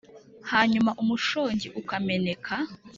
Hanyuma umushongi ukameneka